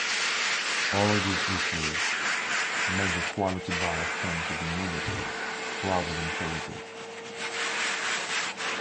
All these issues make the quality bias tend to be negative rather than positive.